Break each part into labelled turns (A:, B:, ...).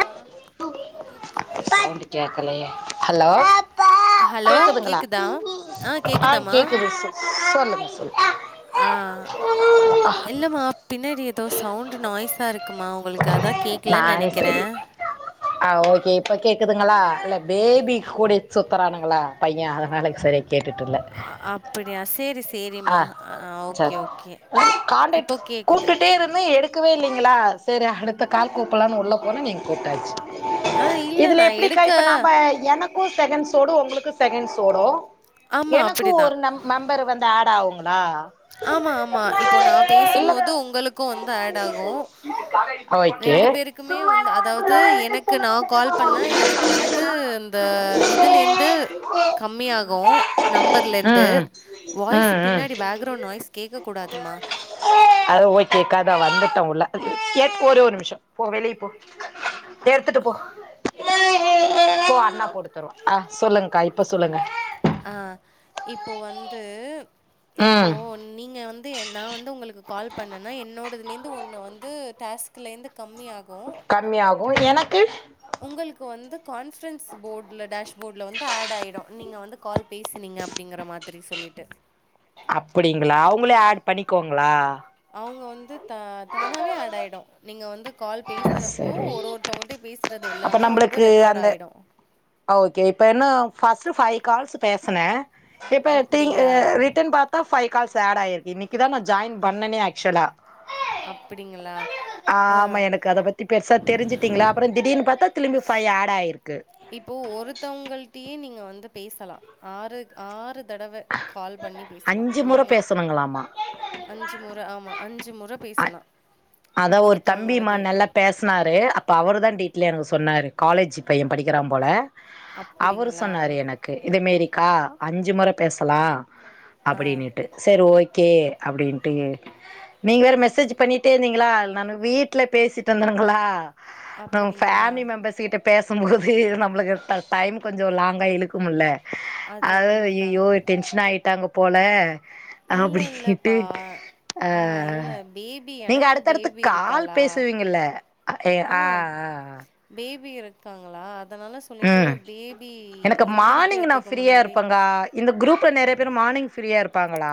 A: அ எங்க இருக்கீங்க
B: கேக்கலயே ஹலோ
A: ஹலோ
B: கேக்குதுங்களா
A: கேக்குதா ஆ
B: அ கேக்குது சொல்லுங்க சொல்லு
A: அ இல்லமா பின்னாடி ஏதோ சவுண்ட் நாய்ஸா இருக்கு க்குமா உங்களுக்கு அதா கேக்கலன் நெனைக்கிறே
B: அ ஓகே இப்ப கேக்குதுங்களா இல்ல பேபி கூட சுத்துரானுங்களா பையன் அதனால சரி
A: அ அப்டியா சேரி சேரிம்மா அ ஓகே ஓகே
B: காண்டாட்
A: இப்போ கேக்குது
B: கூப்ட்டுடே இரு இன்னும் எடுக்கவே இல்லைங்களா சரி அடுத்த கால் கூப்பலானு உள்ளே போன நீங்க கூப்ட்டாச்சு
A: ஆ இல்ல
B: இதுல
A: நா
B: எப்டிக்கா
A: எடுக்க
B: இப்ப நாம என க்கும் செகண்ட் சோடு உங்களுக்கு செகண்ட் சோடோ
A: ஆமா
B: எனக்கு
A: அப்படிதா
B: ஒரு நம் மெம்பரு வந்து ஆடு ஆகுங்களா
A: ஆமா ஆமா இப்போ நா
B: இல்ல
A: பேசும்போது உங்களுக்கு வந்து ஆட் ஆகும்
B: [inaudible]
A: ரெண்டு பேருக்குமே
B: சும்மா
A: வந்து
B: நா உனக்கு ஒரு
A: அதாவது
B: வார்த்த
A: எனக்கு
B: சொல்ல
A: நா கால் பண்ண எனக்கு வந்து இந்த
B: ம்
A: இது இதுல இருந்து கம்மியாகு நம்பர்ல இருந்து
B: ம்
A: வாய்ஸ்
B: ம்
A: பின்னாடி வே
B: [unintelligible] அது போய் கேக்காத அவ அத்தைட்ட உள ஏ ஒரு ஒரு நிமிஷம் போ வெளிய போ இத எடுத்துட்டு போ போ அண்ணா போட்டுத்தரும் அ சொல்லுங்க்கா இப்ப சொல்லுங்க
A: அ இப்போ வந்து இப்போ
B: ம்
A: நீங்க வந்து நா வந்து உங்களுக்கு கால் பண்ணனா என்னோடலந்து ஒண்ணு வந்து டாஸ்க்ல இருந்து கம்மி ஆகு [inaudible]
B: கம்மியாகும் எனக்கு
A: உங்கள்க்கு வந்து கான்பிரன்ஸ் போர்டுல டேஷ போர்டுல வந்து ஆட் ஆயிடு நீங்க வந்து கால் பேசுனீங்க அப்படிங்கற மாதிரி சொல்லீட்டு
B: அப்படிங்களா அவங்களே ஆட் பண்ணிக்கோங்களா
A: அவுங்க வந்து த தானாவே ஆட் ஆயிடு நீங்க வந்து கால் பேசினப்போ ஒரு
B: சரி
A: ஒரு மத்தவங்கல்ட்டயூ பேசுறது
B: அப்ப
A: எல்லாமே வந்து
B: நம்மளுக்கு
A: ரெக்கார்ட்
B: அந்த
A: ஆயிடு
B: ஓகே இப்ப என்ன ஃபாஸ்ட்டு பைவ் கால்ஸ் பேசனே இப்ப டிங்
A: அப்படிங்களா?
B: [inaudible] ரிட்டன் பாத்தா ஃபைவ் கால்ஸ் ஆட் ஆயிருக்கு இன்னிக்கு தா நா ஜாயின் பண்ணணே ஆக்சுவலா
A: அப்படிங்களா? ஆ.
B: ஆமா எனக்கு அத பத்தி பெருசா தெரிஞ்சுட்டீங்ளா அப்பறோ திடீன்னு பாத்தா திழும்பி ஃபை ஆட் ஆயிருக்கு
A: இப்போ ஒருத்தவங்கள்ட்டயே நீங்க வந்து பேசலா ஆறு ஆறு தடவ கால் பண்ணி பேசலா நீங்க
B: ரத்தனங்கலாமா
A: அஞ்சு முற ஆமா அஞ்சு முற
B: அ
A: பேசலா
B: அதா ஒரு தம்பிமா நல்லப் பேசனாரு அப்ப அவரு தா டீட்லே எனக்கு சொன்னாரு காலேஜ் பைய படிக்குறா போல அவரு
A: அப்படிங்களா?
B: சொன்னாரு என க்கு இத மேரிக்கா அஞ்சு முற பேசலா
A: ஆ.
B: அப்படினீட்டு செர் ஓகே அப்படீன்ட்டு நீங்க வேற மெசேஜ் பண்ணீட் டே இருந்தீங்களா நானு வீட்டுல பேசீட்டு இருந்தனுங்களா உ
A: அப்படிங்களா?
B: பேமிலி மெம்பர்ஸ் கிட்ட பேசம்போது நம்பளுக்கு ட்ட டைம் கொஞ்சோ லாங்கா இழுக்குமுல்ல அது ஐயையோ டென்ஷனாயிட்டாங்க போல
A: இல்ல
B: அப்படினீட்டு
A: இல்லப்பா.
B: ஆ
A: இல்ல பேபி
B: நீங்க
A: எனக்கும்
B: அடுத்து அடுத்து
A: பேபி
B: கால்
A: இருக்காளா?
B: பேசுவீங்கல்ல அ ஹே ஆ ஆ ஆ
A: பேபி இருக்காங்களா அதனால
B: ஆ
A: சொல்லீட்டு
B: ம்
A: பேபி
B: எனக்கு மார்னிங் நா
A: எந்திரிக்கறதுக்கு
B: ஃப்ரீயா
A: முன்னாடி
B: இருப்பேங்கா இந்த குரூப்ல நெறைய பேர் மார்னிங் ஃப்ரீயா இருப்பாங்களா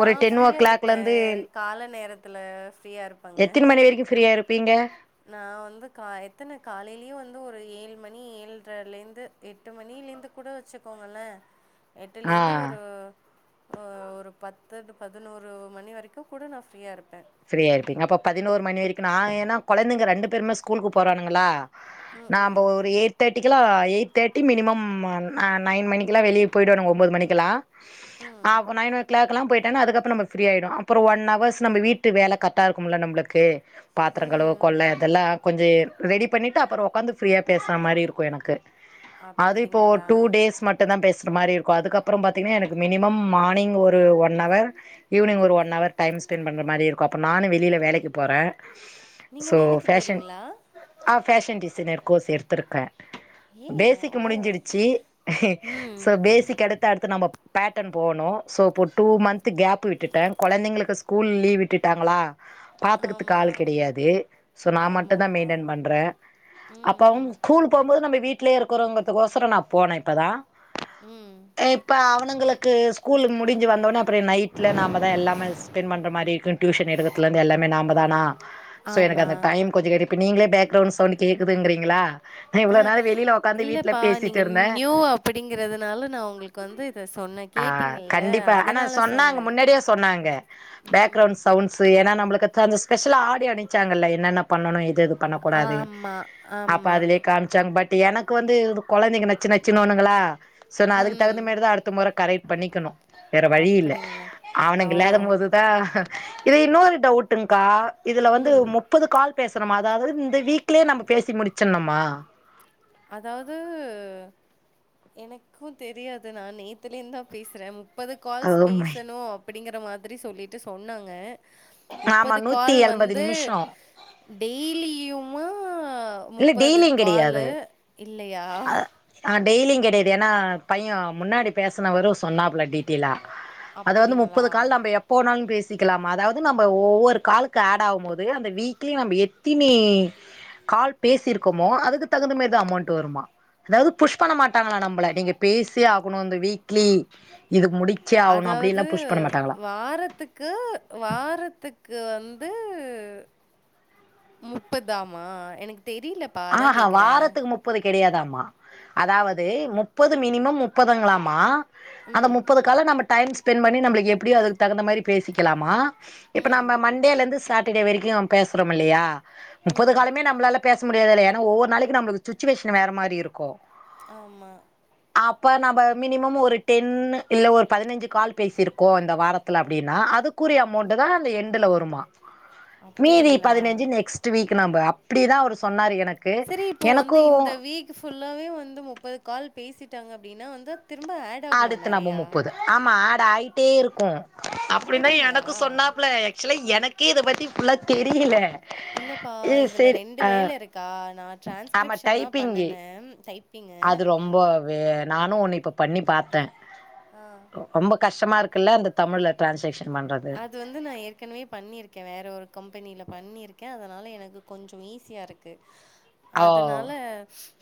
B: ஒரு டென் ஓ
A: ஃப்ரீயா
B: கிளாக்ல இருந்து
A: இருப்பேன். கால நேரத்துல ஃப்ரீயா
B: எத்தினி மணி வரைக் ப்ரியா இருக் ப்பீங்க
A: நா வந்து கா எத்தன காலைலியூ வந்து ஒரு ஏழு மணி ஏழ்ரைலந்து எட்டு மணிலேந்து கூட வெச்சுக்கோங்கலே
B: ஆ
A: எட்டுலேந்து ஒரு ஓ ஒரு பத்துட் பதுனோரு மணி வரைக்கு கூட நா ஃப்ரியா இருப்பே
B: ஃப்ரீயா இருப்பீங்க அப்ப பதினோரு மணி வரைக்கு நா ஏன்னா குழந்தைங்க ரண்டு பேருமே ஸ்கலுக்கு போறானுங்களா
A: ம்,
B: நாம்ப
A: ம்,
B: ஒரு எயிட் தேட்டிக்குலா தேட்டி மினிமம் ன நைன் மணிக்குலா வெளிய போயிடோனு ஒம்போது மணிக்கலா
A: ம்.
B: ஆப் நைன் ஓ கிளாக்லா போயிட்டானா அதுக்கப்ப நம்ப பிரீ ஆயிடு. அப்பறோ ஒன் அவர்ஸ் நம்ப வீட் டு வேல கர்ட்டா இருக்குமுல்ல நம்பளுக்கு பாத்தரோ கழுவ
A: ம்
B: கொல்ல இதெல்லா கொஞ்ச ரெடி பண்ணீட்டு அப்பறோ ஒக்காந்து ஃப்ரியா பேசற மாரி இருக்கு எனக்கு அது இப்போ
A: அப்படிங்களா
B: டூ டேஸ் மட் டு தா பேசுற மாரி இருக்கு அதுக்கப்பறோ பாத்திங்கன்னா எனக்கு மினிமம் மானிங் ஒரு ஒன் அவர் ஈவினி்ங் ஒரு ஒன் அவர் டைம் ஸ்பென்ட் பண்ற மாரி இரு [unintelligible] நானு வெளில வேலைக்கு போற
A: நீங்க
B: சோ
A: வேலைக்கு
B: ஃபேஷன்
A: போறீங்களா
B: ஆ ஃபேஷன் டிசைனர் கோர்ஸ் எடுத்திருக்கே
A: ஏ
B: பேசிக்
A: ஓ
B: முடிஞ்சிடுச்சி
A: ம்
B: சோ பேசிக் அடுத்த அடுத்து நம்ப பேட்டன் போனு சோ இப்போ டூ மன்த்து கேப் விட்டுட்ட கொழந்திங்களுக்கு ஸ்கூல் லீவ் விட்டுட் விட்டாங்களா பாத்துக்கத்துக்கு
A: ஆமா
B: ஆள் கெடையாது சோ நா மட்டுதா
A: ஆமாமா
B: மெயின்டென் பண்ற
A: ம்
B: அப்பாவு
A: ம்
B: கூல் போம்போது நம்ம வீட்லயே இருக்கறோங்கறதுக் ஒசரோ நா போன இப்பதா
A: ம்
B: இப்போ அவனுங்களுக்கு ஸ்கூல் முடிஞ்சு வந்தோடனே அப்பறோ நைட்டில நாம தான எல்லாம ஸ்பெண்ட் பண்ணுற மாதிர இரு நிறத்தில இருந்து எல்லாமே நாம தானா சோ எனக்கு
A: ஆமா
B: அந்த டைம் கொ கி இப்ப நீங்களே பேக்ரவுண்ட் சவுண்ட் கேக்குதுங்கிறீங்களா நா
A: ஆ
B: இவ்ளோ நேர வெளியில உக்காந்து வீட்ல
A: இல்லப்பா
B: பேசிட்டு
A: நீங்க
B: இருந்தே
A: நியூ அப்படிங்கிறதுனால நா உங்களுக்கு வந்து இத சொன்ன
B: ஆ கண்டிப்பா ஆனா சொன்னாங்க முன்னாடியே சொன்னாங்க
A: ம்
B: பேக்ரவுண்ட்ஸ் சவுண்ட்ஸ் ஏன்னா நம்மளுக்கு தகுந்த ஸ்பெஷலா ஆடியோ அணிச்சாங்கல்ல என்னென்ன பண்ணணு இதுவு பண்ணக்கூடாது
A: ஆமா
B: அப்ப
A: ஆமா
B: அதுலயே காமிச்சாங்க பட் எனக்கு வந்து கொழந்தைங்க நச்சு நச்சுன்னு ஒண்ணுங்களா சோ நா அதுக்கு
A: ம்
B: தகுந்த மாரி தா அடுத்த மொற கரக்ட் பண்ணிக்கணு வேற வழி இல்ல
A: அப்படிங்களா
B: அவனுங்க இல்லாத போது ஆ இது இன்னொரு டவுட்டுங்கா இதுல
A: ஓ
B: வந்து மு முப்போது கால் பேசுறோமா அதாவது இந்த வீக்லேயே நம்ம பேசி முடிச்சனுமா
A: அதாவது எனக்கு தெரியாது நா நேத்தில இருந்து தா பேசுறே முப்பது கால்ஸ் பேசணு அப்படிங்கிற மாதிரி சொல்லிட்டு சொன்னாங்க
B: ஆமா
A: முப்பது
B: நூத்தி
A: கால்
B: எண்பது
A: வந்து
B: நிமிஷோ
A: டெய்லியுமா
B: இல்ல
A: முப்பது
B: டெய்லியு
A: கால்லு
B: கெடையாது
A: இல்லையா
B: ஆ டெய்லியு கெடையாது ஏனா பைய முன்னாடி பேசுனவரு சொன்னாப்ல டீ ல அது வந்து
A: அப்டிங்களா
B: முப்பது கால் நம்ம எப் போனாலு பேசிக்கலாம அதாவது நம்ம ஒவ்வொரு காலுக்கு ஆட் ஆகு போது அந்த வீக்லி நம்ம எத்தினி கால் பேசிருக்கோமோ அதுக்கு தகுந்த மாரி தா அமௌண்ட் வருமா அதாவது புஷ் பண்ண மாட்டாங்களா நம்மள நீங்க பேசியே ஆகணு இந்த வீக்லி இது முடி
A: அதாவது வாரத்துக் க்கு வாரத்துக்கு வந்து முப்பது ஆமா எனக்கு தெரியல
B: ஆ ஹ வாரத்துக்கு முப் முப்பது கெடையாதாமா அதாவது முப்பது மினிமம் முப்பதுங்களாமா அந்த முப்பது கால நம்ம டைம் ஸ்பெண்ட் பண்ணி நம்மளுக்கு எப்டியோ அதுக்கு தகுந்த மாரி பேசிக்கலாமா இப்ப நம்ம மண்டேல இருந்து சாட்டர்டே வரைக்கு பேசுறோம் இல்லையா முப்பது
A: ம்
B: காலுமே நம்மளால முடியாது ஏன்னா ஒவ்வொரு நாளைக்கு நம்மளுக்கு சுச்சுவேஷன் வேற மாதிரி இருக்கு
A: ஆமா
B: அப்போ நம்ம மினிமம் ஒரு டென் இல்ல ஒரு பதினஞ்சு கால் பேசிருக்கோ இந்த வாரத் அப்டின்னா அதுக்குரிய அமௌண்ட் தா அந்த எண்டில வருமா
A: [inaudible]
B: மீதி
A: அப்டிங்களா
B: பதினஞ்சு நெக்ஸ்ட் வீக் நம்ப அப்டிதா அவர் சொன்னார் எனக்
A: செரி இப்போ வந்து இந்த வீக் ஃபுல்லாவே வந்து முப்பது கால் பேசிட்டாங்க அப்டின்னா வந்து திரும்ப ஆ
B: ஆடுத்து நம முப்பது ஆமா ஆடு ஆயிட்டே இருக்கு அப்டின்தா
A: அப்படிங்களா?
B: எனக்கு சொன்னாப்ல ஆக்சுவலா எனக்கே இத பத்தி ஃபுல்லா தெரியல
A: இல்லப்பா
B: ஏ
A: இதுல
B: சேரி
A: ரெண்டு
B: அ
A: வேல இருக்கா நா
B: ஆமா
A: டிரான்ஸ்கிரிப்ஷன் தா
B: டைப்பிங்கு
A: பண்ணுனே டைப்பிங்கு
B: அது ரொம்ப வே நானு ஒன்னு இப்போ பண்ணி பாத்தே
A: ஆ
B: ரொம்ப கஷ்டமா இருக்குல்ல இந்த தமிழ்ல டிரான்ஸ்லேக்ஷன் பண்றது
A: இது வந்து நா ஏற்கனவே பண்ணியிருக்கே வேறு ஒரு கம்பெனில பண்ணியிருக்கே அதனால எனக்கு கொஞ்சோ ஈஸியா இருக்கு
B: ஓ
A: அதனால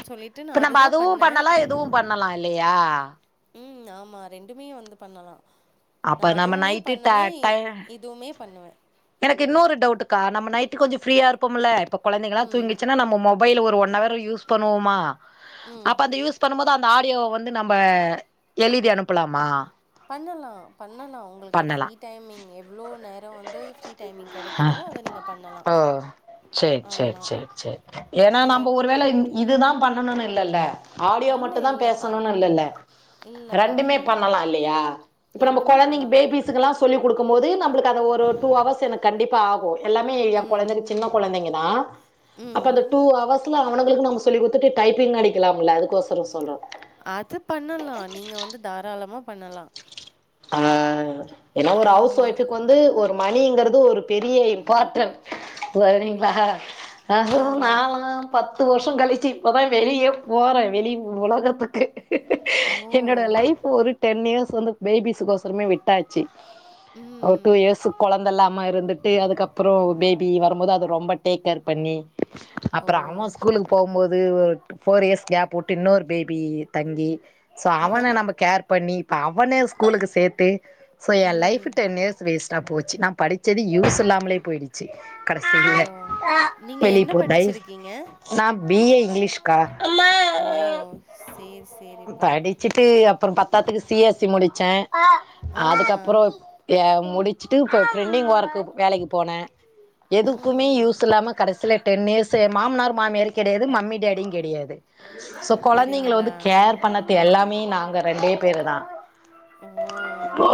A: சொல்லிட்டு நா
B: இப்ப நம்ம
A: அதுதா
B: அதுவு
A: பண்ண
B: பண்ணலா இதுவு பண்ணலா இல்லையா
A: ம் ஆமா ரெண்டுமே வந்து பண்ணலா நா
B: அப்ப நம்ம
A: அதுவுமே
B: நைட்டு ட
A: பண்ணுவே
B: டை
A: இதுவுமே பண்ணுவே
B: எனக்கு இன்னொரு டவுட்டுக்கா நம்ம நைட்டு கொஞ்ச ஃப்ரீயா இருப்போம்ல இப்ப கொழைந்தகளா
A: ம்.
B: தூங்கிச்சுன்னா நம்ம மொபைல் ஒரு ஒன் அவர் யூஸ் பண்ணுவோமா
A: ம்.
B: அப்ப அந்த யூஸ் பண்ணும் போது அந்த ஆடியோ வந்து நம்ம எழுதி அனுப்பலாமா
A: பண்ணலா பண்ணலா உங்களுக்கு
B: பண்ணலா
A: ஃப்ரீ டைமிங் எவ்ளோ நேர வந்து ஃப்ரீ டைமிங் கெடைக்குதோ அத நீங்க பண்ணலா
B: சரி சரி
A: ஆமா
B: சரி சரி ஏன்னா
A: நீங்க
B: நம்ம ஒருவேள இதுதா பண்ணணுனு இல்லல்ல ஆடியோ
A: இல்ல
B: மட்டு தா
A: இல்லப்பா
B: பேசணுனு இல்லல்ல
A: இல்லப்பா
B: ரெண்டுமே
A: இல்லப்பா
B: பண்ணலா இல்லையா இப்ப நம்ம
A: ரெண்டுமே
B: கொழந்தைங்க
A: பண்ணலா
B: பேபிஸுக்கு எல்லா சொல்லி் குடுக்கும்போது நம்பளுக்கு அந்த ஒரு டூ ஹவர்ஸ் எனக்கு கண்டிப்பா ஆகு எல்லாமே எ
A: ம்
B: கொழந்தைங்க சின்ன கொழந்தைங்க தா அப்ப அந்த
A: ம்
B: டூ அவர்ஸ்ல அவனங்களுக்கு நம்ம சொல்லி குடக்ஷத்துட்டு டைப்பிங் அடிக்கலாம்ல்ல அதுக்கோசர சொல்ற
A: அது பண்ணலா நீங்க வந்து தாராளமா பண்ணலா
B: ஆ ஏன்னா ஒரு ஹவுஸ்
A: ஆமா
B: ஒய்ஃபுக்கு வந்து ஒரு மணிங்குறது ஒரு பெரிய இம்பார்ட்டன் சரிங்களா அதுவு
A: ஆமா
B: நாங்களா பத்து வருஷ கழிச்சு இப்பொதா வெளியே போற வெளி உலகத்துக்கு
A: ஓ
B: என்னோட லைஃப் ஒரு டென் இயர்ஸ் வந்து பேபிஸுக்கோசரமே விட்டாச்சு ஒரு
A: ம்
B: டூ இயர்ஸு கொழந்த இல்லாம இருந்துட்டு அதுக்கப்புறோ பேபி வரும்போது அது ரொம்ப டேக் கேர் பண்ணி
A: ஓ
B: அப்புற அவ ஸ்கூலுக்கு போம்போது ஒ ஃபோர் இயர்ஸ் கேப் விட்டு இன்னொரு பேபி தங்கி சோ அவன நம்ம கேர் பண்ணி இப்ப அவன ஸ்கூலுக்கு சேத்து சொ எ
A: ம்
B: லைஃப் டென் இயர்ஸ் வேஸ்டா போச்சு நா படி ச்சது யூஸ் இல்லாமலே போயிடுச்சு
A: ஓ
B: கடைசியில
A: நீங்க என்ன படிச்சிருக்கீங்க
B: நா பி ஏ இங்கிலீஷ் க்கா
A: ஓ சேரி சேரிப்பா
B: சிட்டு அப்புற பத்தாதுக்கு சி எஸ் சி முடிச்ச
A: ஆ
B: அதுக்கப்புறோ ஏ முடிச்சுட்டு இப்போ ஃப்ரிண்டிங் ஒர்க்கு வேலைக்கு போனே எதுக்குமே
A: ம்
B: யூஸ் இல்லாம கடைசியில டென் இயர்ஸ் மாமனார் மாமியார் கெடையாது மம்மி டடியு கெடையாது சோ கொழந்தைங்க
A: அப்படிங்களா
B: வந்து கேர் பண்ணது எல்லாமே நாங்க ரெண்டே பேரு தா
A: ஓ
B: ஓ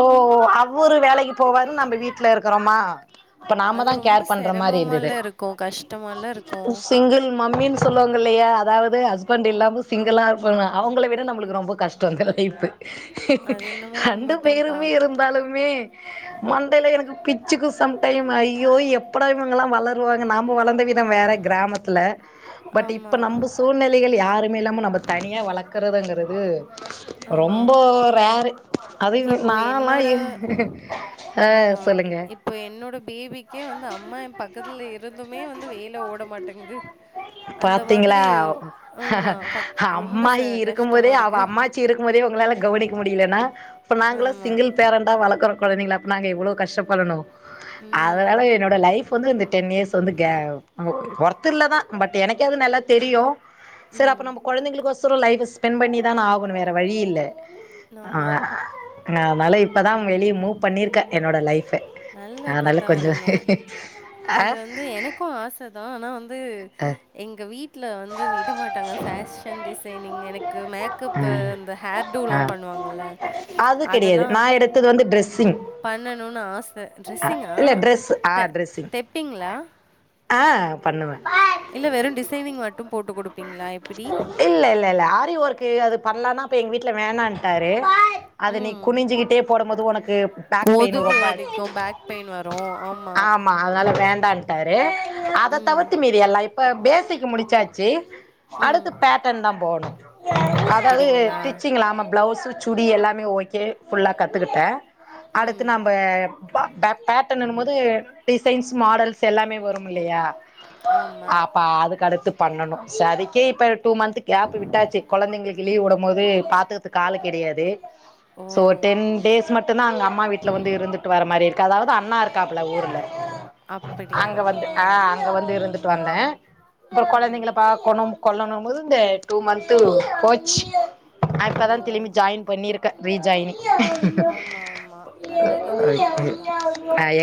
B: அவ்வரு வேலைக்கு போவாரு நம்ம வீட்ல இருக்குறோமா இப்ப நாம
A: அது
B: தா
A: ரொம்ப
B: கேர் பண்ற மாரி இருந்தது
A: சிரமமால இருக்கு கஷ்டமால இருக்கு
B: சிங்கிள் மம்மீன் சொல்லுவங்க இல்லையா அதாவது ஹஸ்பண்ட் இல்லாம சிங்களா இருப்பாங்க அவங்கள விட நம்மளுக்கு ரொம்ப கஷ்டோ இந்த லைஃபு
A: அது என்னமோ
B: ரண்டு
A: உண்மதான்ப்பா
B: பேருமே இருந் தாலுமே மண்டையில எனக்கு பிச்சுக்கு சம் டைம் ஐயோ எப் போடா இவங்கல்லா வளருவாங்க நாம வளந்த வித வேற கிராமத்துல பட்
A: ஆமா
B: இப்ப நம்ப ச் சூழ்நிலைகள் யாருமே இல்லாம நம்ப தனியா வளக்கறதுங்குறது
A: ஆமா
B: ரொம்ப ரே
A: இப்போ என்னோட
B: ஆ
A: ஆமா
B: சொல்லுங்க
A: இப்போ என்னோட பேபிக் க்கே வந்து அம்மா எ பக்கத்துல இருந்துமே வந்து வேல ஓட மாட்டேங்குது அந்த
B: பாத்தீங்களா
A: மாதிரி ஆமா பக் ரொம்ப
B: அம்மா
A: ச
B: இருக்கும் போதே
A: கஷ்டமா
B: அவ
A: இருக்கு
B: அம்மா ச்சி இருக்கும் போதே உங்களால கவனிக்க முடியலன்னா இப்ப நாங்களா
A: ஆமா
B: சிங்கிள் பேரண் ட்டா வளக்கற கொழந்தைங்கள அப்ப நாங்க எவ்ளோ கஷ்டப்படணு
A: ம்
B: அதனால என்னோட லைஃப் வந்து இந்த டென் இயர்ஸ் வந்து கா ஒ ஒர்த் இல்ல தா பட் எனக்கே அது நல்லா தெரியு சரி அப்ப
A: ம்
B: நம்ம கொழந்தைங்களுக்கு ஒசர லைஃப்ப ஸ்பென் பண்ணி தான ஆகனு வேற வழி இல்ல ஆ
A: ஆமா
B: நா அதனால இப்பதா வெளிய மூ பண்ணிருக்கே என்னோட லைஃப்ப அதனால
A: நல்லதுதான்
B: கொஞ்சோ
A: நீங்க.
B: ஆ
A: இது வந்து எனக்கு ஆச தா ஆனா வந்து எங்க வீட்ல வந்து விடமாட் டாங்க ஃபேஷன் டிசைனிங் எனக்கு மேக்கப்பு இந்த ஹேர் டூ லா
B: ஆ ஆ
A: பண்ணுவாங்கல்ல
B: அது கிடையாது
A: அதெல்லாம்
B: நா எடுத்தது வந்து ட்ரெஸ்ஸிங்
A: பண்ணணும்னு ஆசை.
B: அ இல்ல ட்ரெஸ் ஆ ட்ரெஸ்ஸிங்
A: தெப்பிங்ளா
B: ஆ பண்ணுவே
A: இல்ல வெறு டிசைனிங் மட்டு போட்டு குடுப்பீங்ளா எப்பிடி
B: இல்ல இல்ல இல்ல ஆரிஒர்க்கு அது பண்லானா அப்ப எங்க வீட்ல வேணான்டாரு அத நீ
A: ம்.
B: குனிஞ்சுகிட்டே போடும் போது ஒனக்குப் பேக் பெயின்
A: முதுகு
B: ரொம்ப
A: வலிக்கும், பேக் பெயின் வரும்.
B: ஆமா அதனால வேண்டான்ட் டாரு அத
A: ம்.
B: தவுத்து மீதி எல்லா இப்ப பேஸிக்கு முடிச்சாச்சு
A: ம்.
B: அடுத்து பேட்டர்ன் தா போட்ணு அதாவது
A: அப்படிங்களா?
B: டிச்சிங்லாம பிளவுஸ்சு சுடி எல்லாமே ஓக்கே ஃபுல்லா கத்துக்கிட்டே அடுத்து
A: ம்.
B: நம்ப பா பே பேட்டனுனு போது டிசைன்ஸ் மாடல்ஸ் எல்லாமே வரும் இல்லையா
A: ஆமா.
B: ஆ பா அதுக்கு அடுத்து பண்ணணு சோ அதுக்கே இப்ப டூ மந்த் கேப்பு விட்டாச்சு கொழந்தைங்களுக்கு லீவ் விடும் போது பாத்துக்கது ஆளு கிடையாது சோ
A: ஓ!
B: டென் டேஸ் மட்டுந்தா அங்க அம்மா வீட்ல வந்து இருந்துட்டு வர மாரி இரு கு அதாவது அண்ணா இருக்காப்புல ஊர்ல
A: அப்படியா
B: அங்க வந்து
A: ஆ
B: அ அங்க வந்து இருந்துட்டு வந்தே அப்றோ
A: ம்
B: கொழந்தைங்கள பாக்கணும் கொள்ளனும் போது இந்த டூ மந்த்து போச்சு ஆ
A: ஓ
B: இப்ப தா திலிம்பி ஜாயின் பண்ணிர் க்க ரீ ஜாய்னிங்
A: ஆம்மா ஆம்மா நல்லதுதா நல்லதுதா
B: [unintelligible]